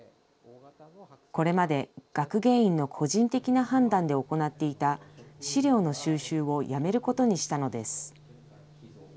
これまで、学芸員の個人的な判断で行っていた資料の収集をやめることにしたのです。